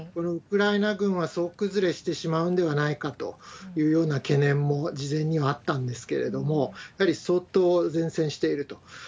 ウクライナ軍は総崩れしてしまうんではないかというような懸念も、事前にはあったんですけれども、やはり相当善戦していると。